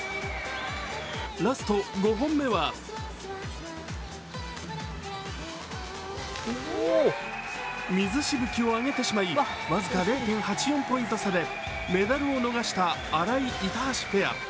ラスト５本目は水しぶきを上げてしまい僅か０．８４ポイント差でメダルをのがした新井・板橋ペア。